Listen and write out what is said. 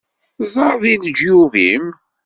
Ẓer deg leǧyub-im!